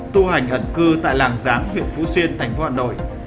tu hành ẩn cư tại làng giáng huyện phú xuyên tp hcm